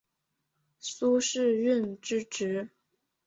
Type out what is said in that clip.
苏士润之侄。